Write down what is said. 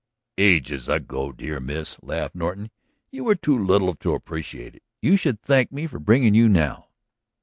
"Ages ago, my dear miss," laughed Norton, "you were too little to appreciate it. You should thank me for bringing you now."